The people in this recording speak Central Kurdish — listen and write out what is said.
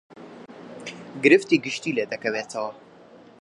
گرفتی گشتی لێ دەکەوێتەوە